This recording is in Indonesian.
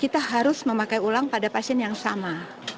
kita harus memakai ulang pada pasien yang sama